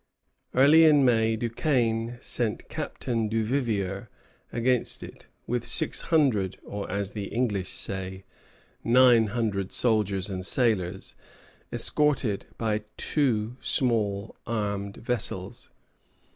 Early in May, Duquesnel sent Captain Duvivier against it, with six hundred, or, as the English say, nine hundred soldiers and sailors, escorted by two small armed vessels.